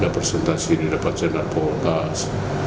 ada presentasi di depan jenderal fakultas